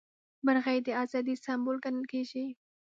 مرغۍ د ازادۍ سمبول ګڼل کیږي.